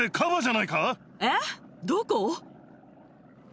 えっどこ？